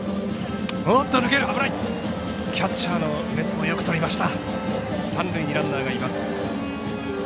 キャッチャーの梅津もよくとりました。